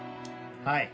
はい。